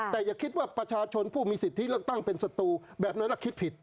แต่อย่าคิดว่าประชาชนผู้มีสิทธิเลือกตั้งเป็นศัตรูแบบนั้นคิดผิด